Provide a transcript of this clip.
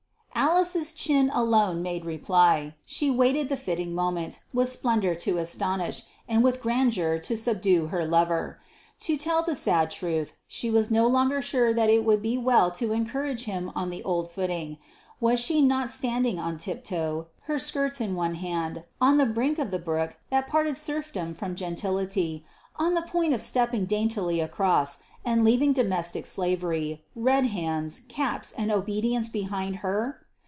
Alice's chin alone made reply. She waited the fitting moment, with splendour to astonish, and with grandeur to subdue her lover. To tell the sad truth, she was no longer sure that it would be well to encourage him on the old footing; was she not standing on tiptoe, her skirts in her hand, on the brink of the brook that parted serfdom from gentility, on the point of stepping daintily across, and leaving domestic slavery, red hands, caps, and obedience behind her?